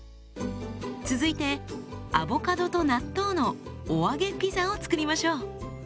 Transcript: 続いてアボカドと納豆のお揚げピザを作りましょう。